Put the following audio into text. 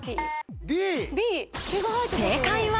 正解は？